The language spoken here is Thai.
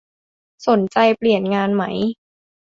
สนใจเปลี่ยนงานไหม